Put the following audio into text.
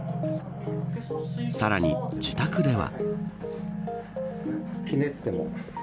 さらに、自宅では。